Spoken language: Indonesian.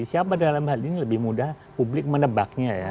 siapa dalam hal ini lebih mudah publik menebaknya ya